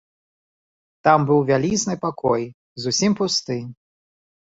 Там быў вялізны пакой, зусім пусты.